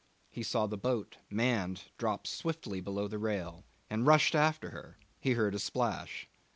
He saw the boat, manned, drop swiftly below the rail, and rushed after her. He heard a splash.